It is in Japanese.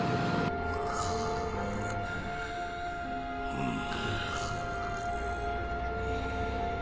うん。